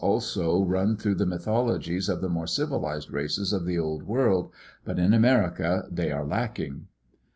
91 also run through the mythologies of the more civilized races of the old world, but in America they are lacking.